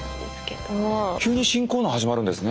急に新コーナー始まるんですね。